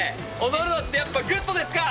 踊るのってやっぱグッドですか？